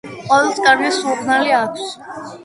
ყვავილს კარგი სურნელი აქვს